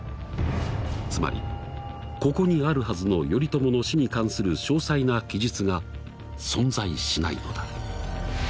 つまりここにあるはずの頼朝の死に関する詳細な記述が存在しないのだ。